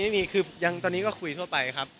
ไม่มีคือตอนนี้ก็คุยทั่วไปครับ